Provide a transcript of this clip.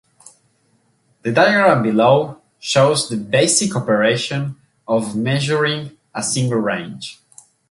The diagram below shows the basic operation of measuring a single range.